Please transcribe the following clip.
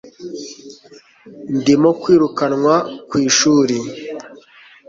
Ndimo kwirukanwa ku ishuri